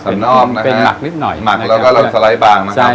นอกนะเป็นหมักนิดหน่อยหมักแล้วก็เราสไลด์บางนะครับ